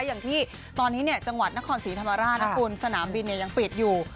อย่างที่ตอนนี้จังหวัดนครศรีธรรมราชนะคุณสนามบินยังปิดอยู่